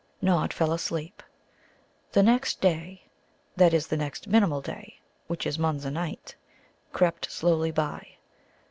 Nod fell asleep. The next day (that is, the next Minimul day, which is Munza night) crept slowly by.